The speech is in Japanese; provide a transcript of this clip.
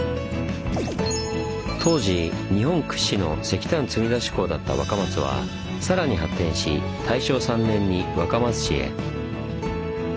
当時日本屈指の石炭積み出し港だった若松はさらに発展し大正３年に若松市へ。